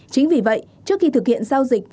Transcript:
chính vì vậy trước khi thực hiện giao dịch